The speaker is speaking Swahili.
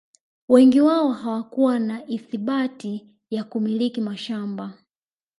Wengi wao hawakuwa na ithibati ya kumiliki mashamba